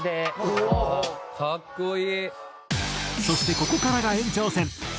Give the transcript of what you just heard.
そしてここからが延長戦。